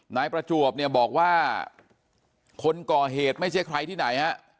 นายประจวบเนี่ยบอกว่าคนก่อเหตุไม่ใช่ใครที่ไหนฮะ